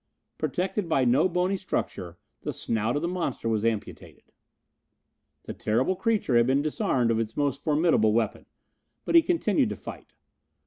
Protected by no bony structure the snout of the monster was amputated. The terrible creature had been disarmed of his most formidable weapon, but he continued to fight.